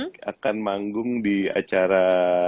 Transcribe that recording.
kapan manggung di acara